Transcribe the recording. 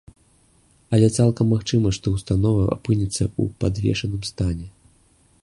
Але цалкам магчыма, што ўстанова апынецца ў падвешаным стане.